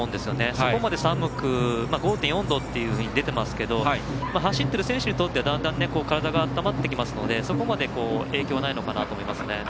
そこまで寒く５．４度と出ていますけど走っている選手にとってはだんだん体が温まってきますのでそこまで影響はないのかなと思いますね。